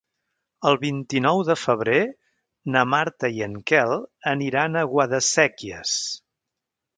El vint-i-nou de febrer na Marta i en Quel aniran a Guadasséquies.